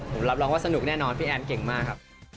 ผมรับรองว่าสนุกแน่นอนพี่แอนเก่งมากครับ